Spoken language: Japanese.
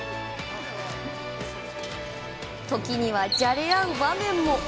時には、じゃれ合う場面も。